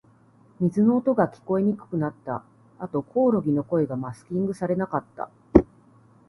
水の音が、聞こえにくくなった。あと、コオロギの声がマスキングされなかった。